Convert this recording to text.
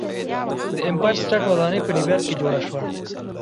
د ایمپایر سټیټ ودانۍ په نیویارک کې جوړه شوه.